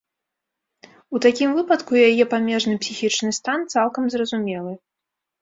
У такім выпадку яе памежны псіхічны стан цалкам зразумелы.